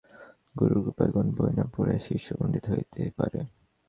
গুরুর কৃপায় কোন বই না পড়িয়াও শিষ্য পণ্ডিত হইতে পারে।